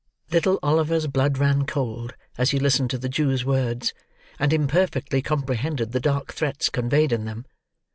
Little Oliver's blood ran cold, as he listened to the Jew's words, and imperfectly comprehended the dark threats conveyed in them.